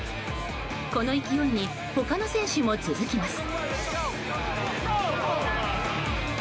この勢いに他の選手も続きます。